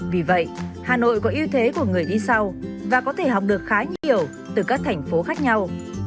vì vậy hà nội có ưu thế của người đi sau và có thể học được khá nhiều từ các thành phố khác nhau